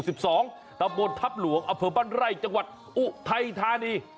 ตำบลทัพหลวงอเภอบ้านไร่จังหวัดอุทัยธานี